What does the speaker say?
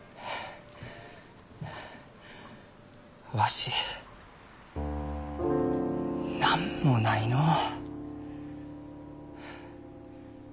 わし何もないのう。